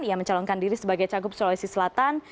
ia mencalonkan diri sebagai cagup sulawesi selatan